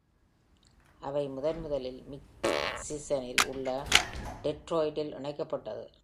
அவை முதன்முதலில் மிச்சிகனில் உள்ள டெட்ராய்டில் இணைக்கப்பட்டது.